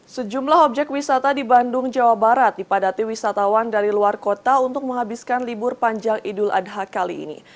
sejumlah objek wisata di bandung jawa barat dipadati wisatawan dari luar kota untuk menghabiskan libur panjang idul adha kali ini